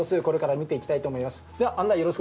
これから見ていきたいと思います。